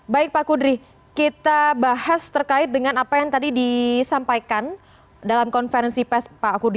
baik pak kudri kita bahas terkait dengan apa yang tadi disampaikan dalam konferensi pes pak kudri